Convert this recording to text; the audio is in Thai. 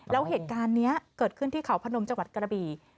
แล้วเหตุการณ์นี้เกิดขึ้นที่เขาพนมจังหวัดกระบี่